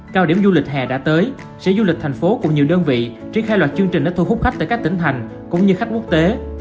cao điểm du lịch hè đã tới sở du lịch thành phố cùng nhiều đơn vị triển khai loạt chương trình để thu hút khách tại các tỉnh thành cũng như khách quốc tế